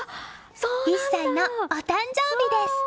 １歳のお誕生日です。